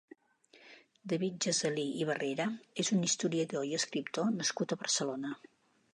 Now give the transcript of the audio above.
David Gesalí i Barrera és un historiador i escriptor nascut a Barcelona.